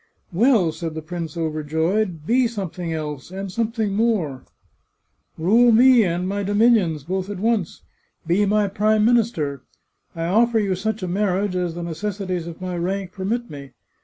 " Well," said the prince, overjoyed, " be something else, and something more ! Rule me and my dominions, both at once. Be my Prime Minister. I offer you such a marriage as the necessities of my rank permit me.